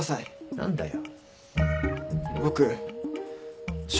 何だよ。